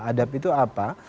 adab itu apa